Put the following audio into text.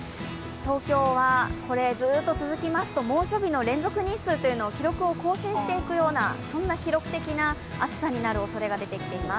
東京はずっと続きますと猛暑日の連続日数というのを記録を更新していくようなそんな記録的な暑さになるおそれが出てきています。